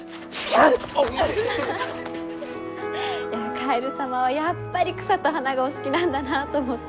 カエル様はやっぱり草と花がお好きなんだなと思って。